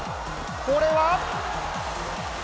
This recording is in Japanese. これは？